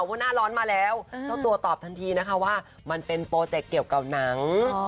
ว่าหน้าร้อนมาแล้วเจ้าตัวตอบทันทีนะคะว่ามันเป็นโปรเจกต์เกี่ยวกับหนัง